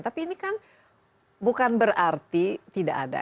tapi ini kan bukan berarti tidak ada